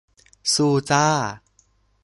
สู้จ้า